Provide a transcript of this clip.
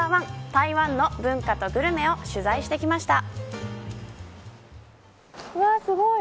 台湾の文化とグルメを取材してきました。